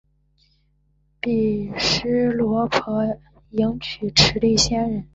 毗尸罗婆迎娶持力仙人。